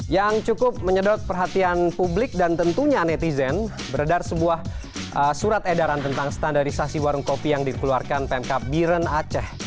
yang cukup menyedot perhatian publik dan tentunya netizen beredar sebuah surat edaran tentang standarisasi warung kopi yang dikeluarkan pemkap biren aceh